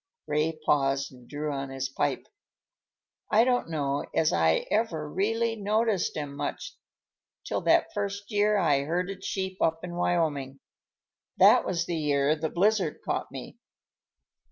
Ray paused and drew on his pipe. "I don't know as I ever really noticed 'em much till that first year I herded sheep up in Wyoming. That was the year the blizzard caught me."